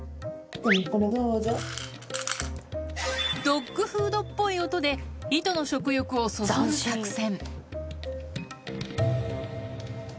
ドッグフードっぽい音で糸の食欲をそそる作戦